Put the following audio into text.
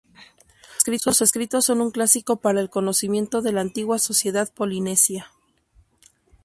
Sus escritos son un clásico para el conocimiento de la antigua sociedad polinesia.